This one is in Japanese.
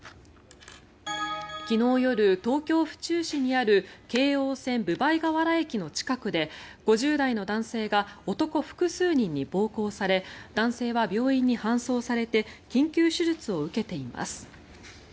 昨日夜、東京・府中市にある京王線分倍河原駅の近くで５０代の男性が男複数人に暴行され男性は病院に搬送されて緊急手術を受けています。